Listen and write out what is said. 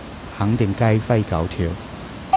肯定雞飛狗跳